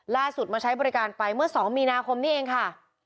มาใช้บริการไปเมื่อ๒มีนาคมนี้เองค่ะ